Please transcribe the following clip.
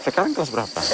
sekarang kelas berapa